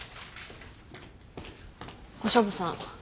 小勝負さん。